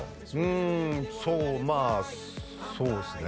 うんそうまあそうですね